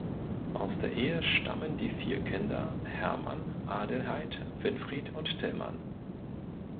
Aus der Ehe stammen die vier Kinder Hermann, Adelheid, Winfried und Tilman.